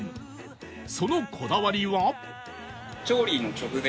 そのこだわりは